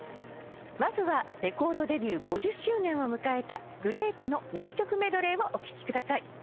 まずはレコードデビュー５０周年を迎えたグレープの名曲メドレーをお聴きください。